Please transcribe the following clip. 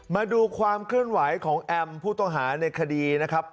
มาดูความเคลื่อนไหวของแอมผู้ต้องหาในคดีนะครับ